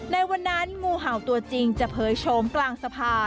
ในวันนั้นงูเห่าตัวจริงจะเผยโฉมกลางสภา